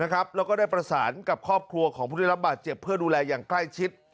แล้วก็ได้ประสานกับครอบครัวของผู้ได้รับบาดเจ็บเพื่อดูแลอย่างใกล้ชิด